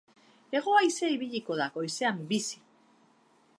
Hego-haizea ibiliko da, goizean bizi.